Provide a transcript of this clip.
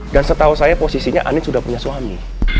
dan setahu saya posisinya andin sudah punya suami